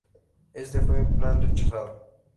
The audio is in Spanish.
Este plan fue rechazado.